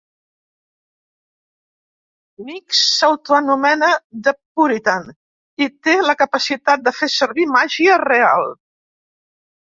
Nix s'autoanomena "The Puritan" i té la capacitat de fer servir màgia real.